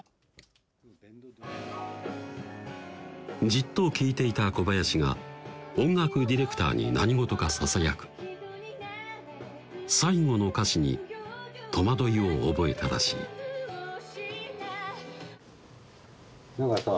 じっと聴いていた小林が音楽ディレクターに何事かささやく最後の歌詞に戸惑いを覚えたらしい長屋さ